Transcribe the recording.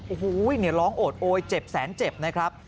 โอ้โหร้องโอดโอยเจ็บแสนเจ็บนะครับ